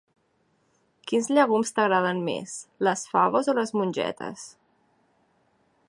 Quins llegums t'agraden més, les faves o les mongetes?